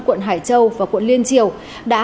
quận hải châu và quận liên triều đã